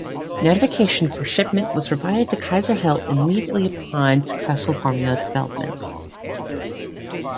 Notification for shipment was provided to Kaiser-Hill immediately upon successful formula development.